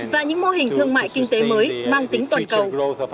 và những mô hình thương mại kinh tế mới mang tính toàn cầu